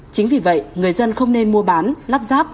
chính vì vậy người dân không nên mua bán lắp ráp